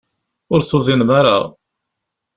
Ur tuḍinem ara.